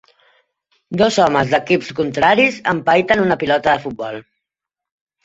Dos homes d'equips contraris empaiten una pilota de futbol